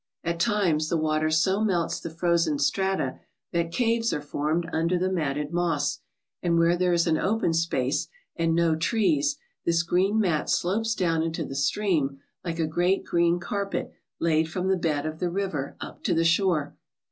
At times the water so melts the frozen strata that caves are formed under the matted moss, and where there is an open space and no trees this green mat slopes down into the stream like a great green carpet laid from the bed of the river up to the shore.